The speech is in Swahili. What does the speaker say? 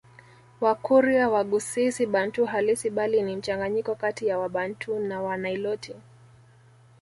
Wakurya Waghusii si Bantu halisi bali ni mchanganyiko kati ya Wabantu na Waniloti